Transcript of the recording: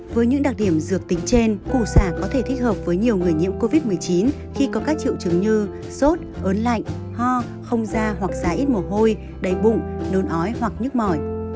với những đặc điểm dược tính trên củ xà có thể thích hợp với nhiều người nhiễm covid một mươi chín khi có các triệu chứng như sốt ớn lạnh ho không da hoặc da ít mồ hôi đầy bụng nôn ói hoặc nhức mỏi